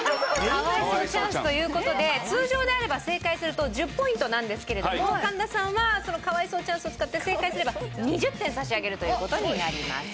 可哀想チャンスという事で通常であれば正解すると１０ポイントなんですけれども神田さんはその可哀想チャンスを使って正解すれば２０点差し上げるという事になります。